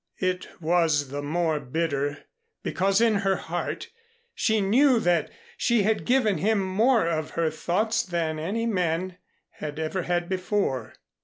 It was the more bitter, because in her heart she now knew that she had given him more of her thoughts than any man had ever had before.